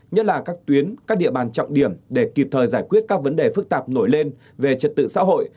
nhất là các tuyến các địa bàn trọng điểm để kịp thời giải quyết các vấn đề phức tạp nổi lên về trật tự xã hội